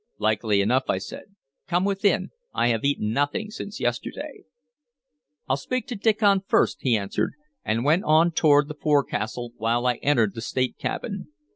"Likely enough," I said. "Come within. I have eaten nothing since yesterday." "I'll speak to Diccon first," he answered, and went on toward the forecastle, while I entered the state cabin.